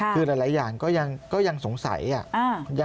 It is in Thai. คือหลายอย่างก็ยังสงสัย